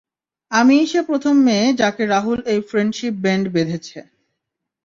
আমিই সে প্রথম মেয়ে যাকে রাহুল এই ফ্রেন্ডশিপ বেন্ড বেঁধেছে।